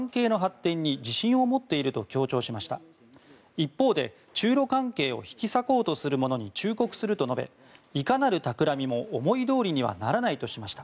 一方で、中ロ関係を引き裂こうとする者に忠告すると述べいかなるたくらみも思いどおりにはならないとしました。